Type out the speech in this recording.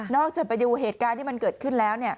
นอกจากไปดูเหตุการณ์ที่มันเกิดขึ้นแล้วเนี่ย